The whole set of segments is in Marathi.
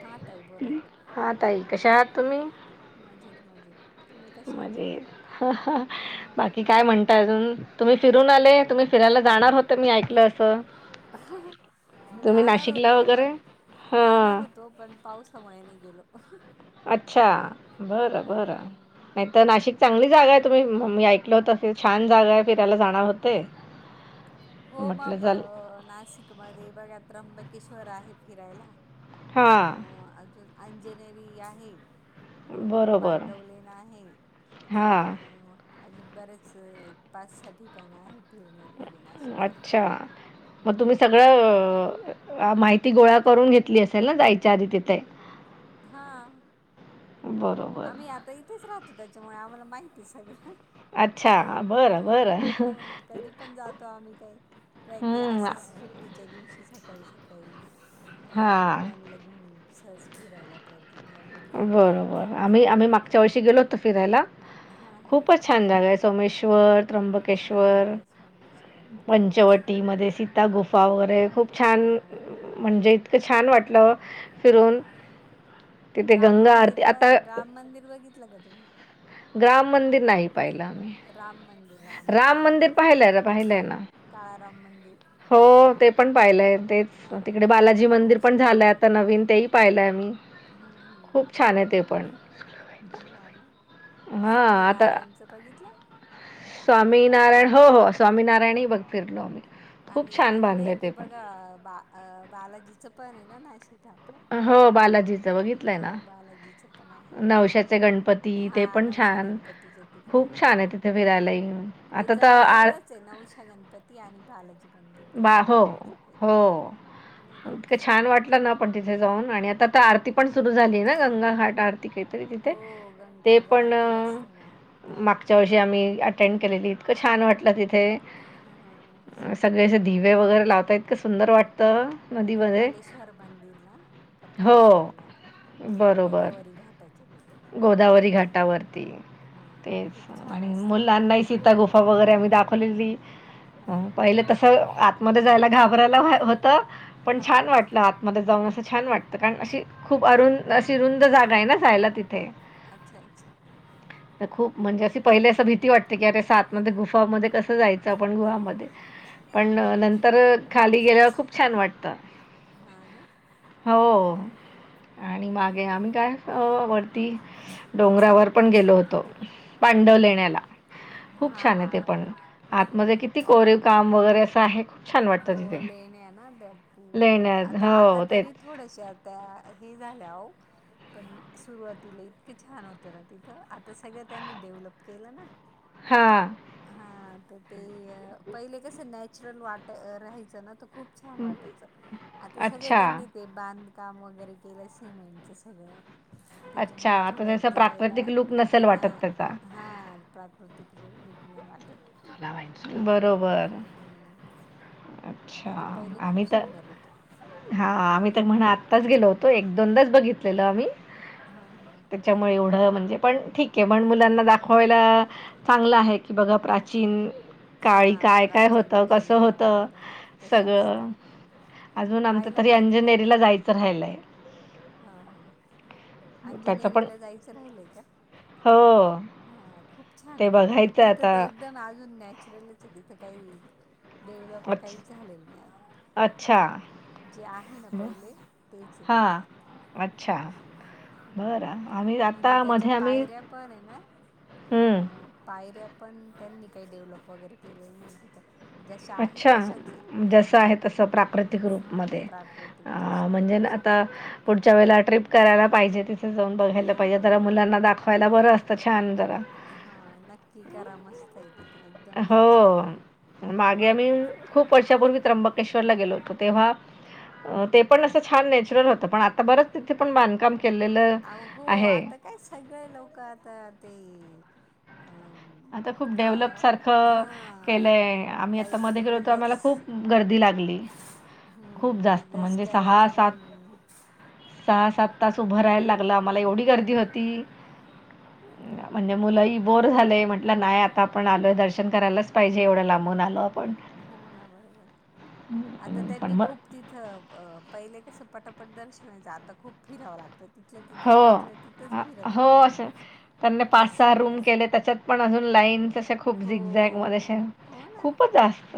हा ताई बोला. हा ताई कशे हायत? तुम्ही मजेत मजेत तुम्ही कशा आहात? मजेत बाकी हम्म काय म्हणता अजून तुम्ही फिरून आले? तुम्ही फिरायला जाणार होतं मी ऐकलं असं. तुम्ही जाणार नाशिकला होतो वगैरे पण जाणार हां हो तो पण पावसामुळे नाही गेलो. अच्छा बरं बरं. हम्म नाहीतर नाशिक चांगली जागा आहे तुम्ही म मी ऐकलं होतं असे छान जागा आहे फिरायला जाणार होते. ह हो मापं नाशिक मध्ये बघा त्र्यंबकेश्वर आहे फिरायला. हां अं अजून अंजेनेरी आहे. अ बरोबर पांडवलेन आहे हां अ अजून बरेच पाच-सहा ठिकणा आहे फिरण्याच. अच्छा म तुम्ही हम्म. सगळं अ माहिती गोळा करून घेतली असेल ना जायच्या आधी तिथे. हां. बरोबर आम्ही आता इथेच राहतो त्याच्यामुळे आम्हाला माहिती आहे सगळं. अच्छा. बरं, बरं. आं आं कधी पण जातो आम्ही काय व्हय की हं. असस सुट् टीच्या दिवशी सकाळी-सकाळी अ हां. मुलांना घेऊन सहज फिरायला ट्रेकिंगला वगैरे जात बरं, असतात. बरं. आम्ही आम्ही मागच्या वर्षी गेलो होतो फिरायला. हा हा. खूपच छान जागा आहे सोमेश्वर, त्र्यंबकेश्वर, हा स्वामीश्वर त्र्यंबकेश्वर बरोबर. पंचवटीमध्ये सी त्या गुफा वरे खूप छान हा म्हणजे इतकं छान वाटलं फिरून. तिथे राम गंगा मंदिर आरती पण आता आहे राम मंदिर बघितलं का तुम्ही? ग्राम मंदिर नाही पाहिलं आम्ही. राम मंदिर रामाचं राम मंदिर पाहिलंय ना, पाहिलंय ना. काळाराम मंदिर. हो ते पण पाहिलंय तेच हा तिकडे ते बालाजी मंदिर खूप पण सुंदर झालंय आहे आता नवीन तेही पाहिलंय मी. हम्म हम्म खूप छान आहे ते पण. हो आगा हा आता स्वामीनारायणच बघितलय? स्वामीनारायण हो हो स्वामीनारायण ही बघ फिरलो आम्ही. खूप आणि छान अजून बांधलंय एक ते आहे पण बघा बा अ बालाजीचं पण आहे ना नाशिक त्यावआपल्या हो बालाजीचं आहे बघितलंय ना हो बालाजीचं पण आहे. नवशाचे गणपती हा ते पण नवशा छान गणपतीच्या तिकडे खूप हो छान आहे तिथे बरोबर फिरायलाही ते आता तर जवळ आर जवळच च नऊच्या गणपती आणि बाल बंडी बा जवळ हो जवळच येते हो नाही का इतकं छान हा. वाटलं ना पण तिथे जाऊन आणि आता तर आरती पण सुरु झाली ना गंगा घाट आरती. ते काहीतरी तिथे हो गंगा ते पण आरती असते ना तर माग च्या वर्षी आम्ही अटेंड केलेली इतकं छान वाटलं तिथे. हा हा च सगळे असे दिवे वगैर लावता सुंदर वाट तर नदीमध्ये कपालेश्वर मंदिर ना हो. कपालेश्वरला बरोबर गोदावरी घाटाच्या तिथं गोदावरी हां. घाटावरती. हा खूप तेच छान आणि असते ती मुलांना ही आरती. सीता गुफा वगैरे आम्ही दाखवलेली. हा. अं, पहिले तसं आतमध्ये जायला घाबरायला व्हाय होतं पण हा छान वाट ला आतमध्ये जाऊन असं छान वाटतं कारण अशी खूप अरुण अशी रुंद जागा आहे ना जायला तिथे. अच्छा अच्छा तर खूप म्हणजे अशी पहिले असं भीती वाटते की अरे सात बरोबर मध्ये गुफामध्ये कसं जायचं आपण गुहामध्ये. पण हा नंतर खाली गेल्यावर खूप छान वाटतं. हा ना हो आणि हम्म मागे आम्ही काय अ वरती डोंगरावर पण गेलो होतो. पांडव लेण्याला हा खूप छान आहे हा ते पण खूप आतमध्ये किती कोरे अ काम वगैरे असं आहेक हो लेण्या आहे ना त्यातपूर दूर लेण्यात आता आता हो तेच तरी थोड्याश्यात. त्या हे झाल्या आयुख पण सुरुवातीला इतकं छान होतं ना तिथं आता सगळं त्यांनी डेव्हलप केलं ना. हा. हा तर ते ही आहे पहिले कसं नॅचरल वाट राहायचं ना तो खूप छान वाटायच आता सगळ्या अच्छा त्यांनी ते बांधकाम वगैरे केलं सेम आहे यांचा सगळं. अच्छा त्याच्यामुळे आता थोडं त्याचा जायला प्राकृतिक लूक नसेल हा. वाटत त्याचा हां प्राकृतिक रु लूक नाही वाटत. हा बरोबर असं. अच्छा नाही तर पहिले आम्ही खूप तर सुंदर होतं हा आम्ही तर म्हणा आत्ताच गेलो होतो एक दोनदाच बघितलेल आम्ही. हा हा. त्यामुळे ऐवढ म्हणजे पण ठीक आहे म्हण मुलांना दाखवायला चांगला आहे की बघा प्रा चीन काळी हा काय काय प्राचीन होतं कसं लेण्या होतं वगैरे कशा सगळं असतात. अजून आमचं पाहायला तरी मिळतं त्यांना अंजनेरीला जायचं राहिलंय. हा हा त्याचं पण अंजनेरीला जायचं राहिलंय का? हो हा खूप छान आहे ते तिथं प बघायचं आहे तिथं ते एक आता दम अजून नॅचुरलच आहे तिथं काही डेव्हलप अच्छ काहीच झालेलं नाही अच्छा अजून. जे आहे ना पहिले तेच हे ते. हां अच्छा हम्म हम्म बरं आम्ही म्हणजे आता त्याच्या मध्ये आम्ही पायऱ्या पण हे ना. हं. अ पायऱ्या पण त्यांनी काही डेव्हलप वगैरे केलेले नाही तिथं. जसं आहे अच्छा. तशच आहे जसं आहे तसं प्राकृतिक हा रूपमध्ये. प्राकृतिक अ, जश आहे म्हणजे ना तशेच आता पुढच्या वेळेला ट्रिप करायला पाहिजे तिथं जाऊन हो बघायला पाहिजे जरा हो मुलांना दाखव पहिला बरं असतं छान जरा. हा नक्की करा मस काय बद्दन एकदम हो नॅचरल मागे आम्ही खूप वर्षापूर्वी त्र्यंबकेश्वरला गेलो होतो तेव्हा ते पण असं छान नॅचुरल होतं पण आता बरंच तिथे पण बांधकाम केलेलं आहो आहे. आता काय सगळे लोकं आता ते अम आता खूप डेव्हलप सारखं केलंय आम्ही आता काहीतरी मध्ये गेलो होतो बिझनेस आम्हाला खूप गर्दी लागली खूप हम्म जास्त बिझनेस म्हणजे सहा करायचा सात म्हणून सहा सात तास उभं राहायला लागला आम्हाला एवढी गर्दी होती. म्हणजे मुलंही बोर झालेय म्हण टला नाही आता आपण आलो आहे दर्शन करायलाच पाहिजे एवढं लांबून आलो आपण. हो ना बरोबर आता पण त्यांनी मग खूप तिथं पहिले कसं पाटापट दर्शन व्हायचं आता खूप फिरावं लाग तर तिथलं तिथंच हो तिथलं तिथंच हा- फिरत हो राहतं असं माणूस त्यांनी पाच सहा रूम तास. केले त्याच्यात पण अजून लाईन तशा खूप हो झिगझॅग मध्ये अशे हो ना खूपच जास्त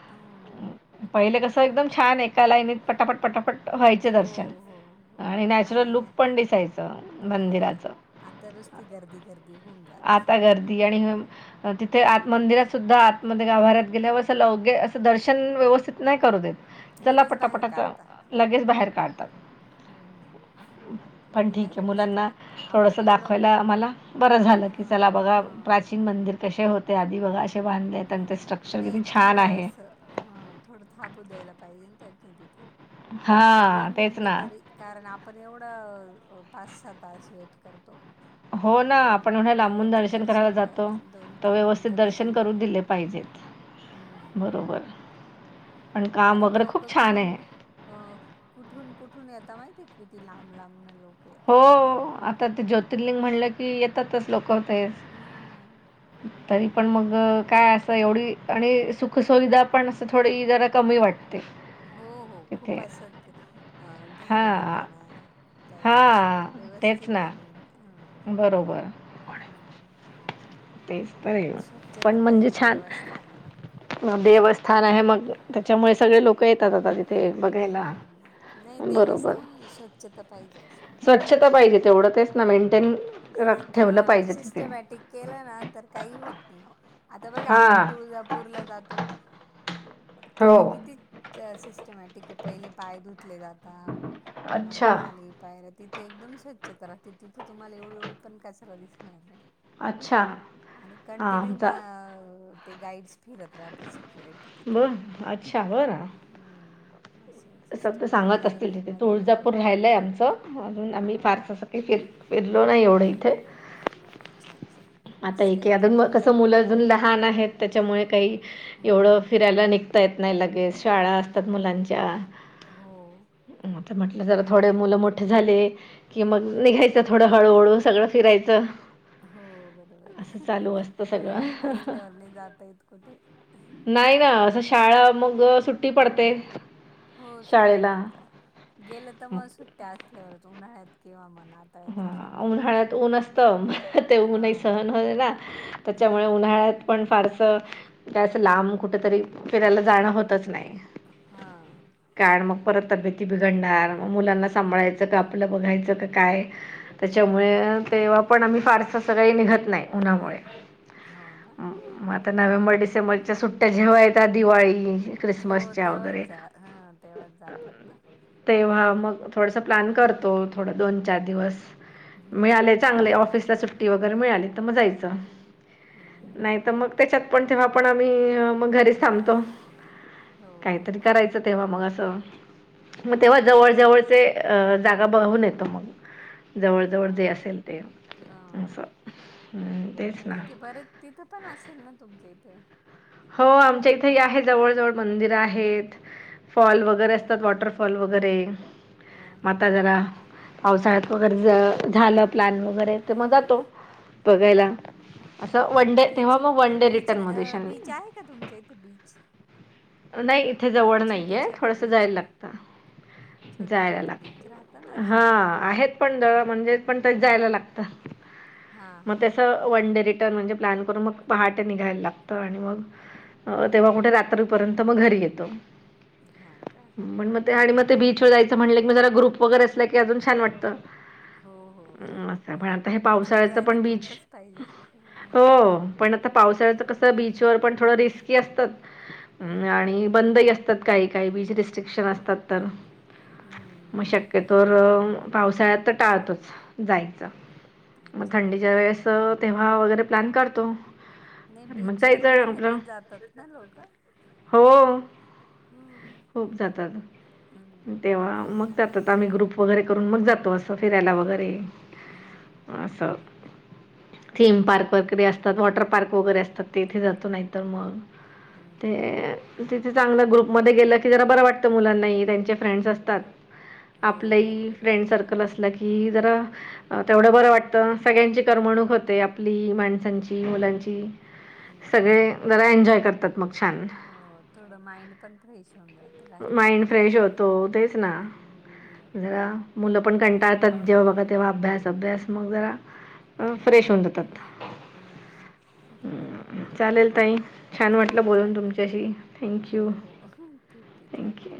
[unintelligible] पहिले कसं एकदम छान एका लाईनीत पटापट पटापट व्हायच हो दर्शन हो हो आणि नॅचुरल लुक आणि पण दिसायचं हा मंदिराचं. आता नुस्ती गर्दी-गर्दी दे होऊन जात आता गर्दी आणि हेम तिथे आत मंदिरात सुद्धा आतमध्ये गाभाऱ्यात गेल्यावर असं लगे असं दर्शन व्यवस्थित नाही करू देत. चला लगेच बाहेर पटापटाच लगेच बाहेर काढतात. हम्म हम्म. पण एवढी ठीक घाई आहे असते मुलांना त्यांना थोडसा आपण एवढं दाखवायला आम्हाला बरं झालं. हा की चला बघा हा प्राचीन मंदिर कशे होते आधी बघा अशे. ते बांधले आहे त्यां हा ते स्ट्रक्चर नाही किती छान थोडं आहे. असं हा थोडं थाबू द्यायला पाहिजे आन तेच नी तिथं थोडं हां दोन तेच मिनटं ना तरी कारण आपण एवढं पाच-सहा तास वेट करतो. मग हो ना निदान आपण ऐवढ्या लांबून देवाच्या दर्शन करायला दर्शनाला जातो दोन तर तीन व्यवस्थित मिनटं दर्शन तरी करूत दिले पाहिजेत हम्म बरोबर पण काम कारण वगैरे लोक खूप छान कुठून आहे. अ कुठून-कुठून येता माहितीय किती लांब-लांब न लो हो आता ते ज्योतिर्लिंग म्हणलं की येतातच लोकं तेच. हां. तरी पण मग काय असं एवढी आणि सु खू सुविधा पण असं थोड ही जरा कमी वाटते. हो हो तिथे खूप असल ते अ घाणेरडा हां पणा. काही असं हां तेच व्यवस्थित ना नाय मी हा बरोबर हा. तेच तर आहे स्वच्छता पाहिजे देवस्थानाला. म देवस्थान आहे मग त्याच्यामुळे सगळे लोकं येतात आता ती हम्म नाही बरोबर देवस्थानाला स्वच्छता पाहिजे असं. स्वच्छता पाहिजे तेवढं तेच ना मेंटेन ठेवलं हां पाहिजे तिथे सिस्टमॅटिक केलं ना तर काही होत नाही हो आता बघा आपण हां तुळजापूरला जातो अ हो तिथं किती च सिस्टमॅटिक पहिले पाय धुत तले जाता मग अच्छा खाली पायऱ्या तिथे एकदम स्वच्छता राहते तिथे तुम्हाला ऐवढ एवढी पण कचरा दिसणार नाय. अच्छा आणि हा कंटिन्यू म आमचा ते गाईडस फिरत राहतं सिक्युरिटी तिथं बर अच्छा हम्म असं तसं ते सिस्टमॅटिक सांगत असतील तिथे लाईनीमध्ये तुळजापूर उभं. राहियलाय हां. आमचं म्हणून आम्ही हां, फारस हां. असं काही फिर फिरलो नाही एवढं इथे. अच्छा अच्छा. आता मस्त आहे एके ती अदुन म कसं मुलं तुळजापूरला अजून लहान आहेत त्याच्यामुळे काही एवढं हम्म. फिरायला निघता येत नाही लगेच शाळा असतात हम्म. मुलांच्या. हो. म तर म्हटलं जरा थोडे मुलं मोठे झाले कि मग निघायचं थोडं हळूहळू सगळं फिरायचं. हो बरोबर असं आहे चालू असतं मुले लहान सगळं असल्यावर नाही जाता येत कुठे. क असं शाळा मग सुट्टी पडते. हो सुट्टया शाळेला पडतात गेले तर मग म सुट्टया असल्यावरच उन्हाळ्यात किंवा मनात हा उन्हाळ्यात ऊन असतं म त्यात ऊनही हां. सहन होय ना. त्याच्यामुळे हां. उन्हाळ्यात पण फारस तर असं लांब कुठ तरी फिरायला जाणं होतच नाही. हां. कारण मग परत तब्येती बिघडणार मग मुलांना हो. सांभाळायचं का आपलं बघायचं का काय त्याच्यामुळे तेव्हा पण आम्ही फारसं सगळी निघत नाही उन्हामुळे. हो ना. म आता हम्म. नोव्हेंबर डिसेंबरच्या सुट्टया जेव्हा येता दिवाळी हो क्रिसमसच्या वगैरे तेव्हाच हां तेव्हाच जातात ना. तेव्हा मग थोडसा प्लॅन करतो थोडा दोन-चार दिवस. मिळाले हम्म. चांगले ऑफिसला सुट्टी वगैरे मिळाली तर मग जायचं. नाही नाही तर मग त्याच्यात पण तेव्हा पण आम्ही म घरीच थांबतो. हो. तर तेव्हा मग असं मग तेव्हा हो ना. जवळ जवळचे अ जागा बघून येतो मग. हा. जवळ-जवळ जे असेल ते असं हा. हम्म तेच ना. तिथे बरेच तिथं पण असेल ना तुमच्या इथे. हो आमच्या इथे ही आहे जवळ-जवळ मंदिर आहेत. फॉल वगैरे असतात वॉटरफॉल वगैरे. हा म आता हा. जरा पावसाळ्यात वगैरे जा झालं प्लॅन वगैरे. ते मग जातो बघायला हम्म असं वन डे तेव्हा बीच मग वन डे बीच रिटर्न मध्ये अ, शां बीच आहे का तुमच्या इथे बीच? नाही इथे जवळ छोटे नाहीये छोटे थोडसं बीच जायला लागतं. छोटे जायला छोटे बीच राहता ना लागतं हा. असे आहेत पण दळ म्हणजे पण ते जायला लागत हा म हा ते असं वन डे रिटर्न म्हणजे प्लॅन करून मग पहाटे निघायला लागतं आणि मग अ तेव्हा कुठे रात्री पर्यंत म घरी येतो. हा का मण म ते हा आणि म ते हा. बीचवर जायचं म्हणलं की म जरा ग्रुप वगैरे असला की अजून छान वाटतं. हो हो असं पण आता हे बीचवर पावसाळ्याच जायला पण बीच ग्रुपच पाहिजे हा. हो पण आता पावसाळ्याचा कसं बीचवर पण थोडं रिस्की असतात. आणि बंदही असतात काही काही बीच रिस्ट्रिक्शन असतात तर. म हम्म शक्य तर पावसाळ्यात टाळतोच जायचं मग अच्छा थंडीच्या वेळेस तर तेव्हा वगैरे प्लॅन करतो. नाही आणि मग बीचवरून न जायचं हेतात आपलं जातात ना लोकं. हो. खूप जातात हम्म तेव्हा मग त्यात आता आम्ही ग्रुप वगैरे करून मग जातो असं फिरायला वगैरे हम्म. असं. थीम पार्क वगैरे असतात वॉटर पार्क वगैरे असतात ते इथे जातो नाही तर मग हम्म. ए तिथे चांगलं ग्रुप मध्ये गेलं की जरा बरं वाटतं मुलांना त्यांचे फ्रेंड्स असतात. हो आपलंही बरोबर. फ्रेंड सर्कल असलं की जरा तेवढं बरं वाटतं सगळ्यांची करमणूक होते आपली, माणसांची, मुलांची हम्म. सगळे जरा एन्जॉय करतात मग. छान हो थोडं माइंड पण फ्रेश होऊन जात बाहेर गेलं की. तो तेच ना. हम्म जरा मुलं पण कंटाळतात जेव्हा बघा तेव्हा अभ्यास अभ्यास मग जरा अ फ्रेश होऊन जातात, हम्म चालेल ताई छान वाट टम्प आहे हो हो ठीक आहे चालेल. थँक्यू